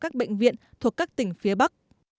các bệnh viện thuộc các tỉnh phía bắc